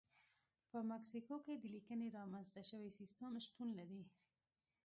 په مکسیکو کې د لیکنې رامنځته شوی سیستم شتون لري.